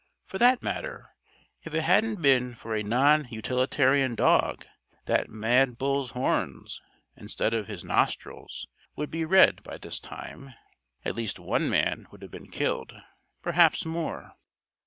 "For that matter, if it hadn't been for a non utilitarian dog, that mad bull's horns, instead of his nostrils, would be red by this time. At least one man would have been killed. Perhaps more.